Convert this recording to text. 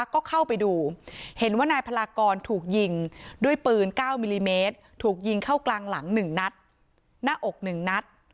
ก็เข้าไปดูเห็นว่านายพลากรถูกยิงด้วยปืน๙มิลลิเมตรถูกยิงเข้ากลางหลัง๑นัดหน้าอก๑นัด